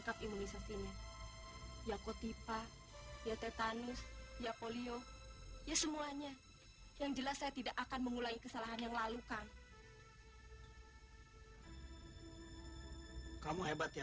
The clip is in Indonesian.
kamu telah menjalankan wajiban kamu sebagai seorang imam